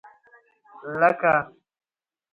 لکه.